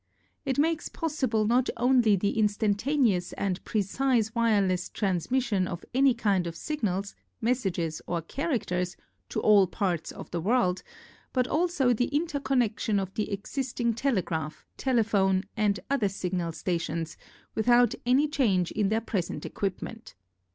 It makes possible not only the instantaneous and precise wireless transmission of any kind of signals, messages or characters, to all parts of the world, but also the inter connection of the existing telegraph, tele phone, and other signal stations without any change in their present equipment.